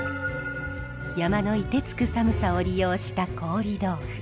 山のいてつく寒さを利用した凍り豆腐。